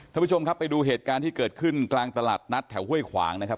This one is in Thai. ท่านผู้ชมครับไปดูเหตุการณ์ที่เกิดขึ้นกลางตลาดนัดแถวห้วยขวางนะครับ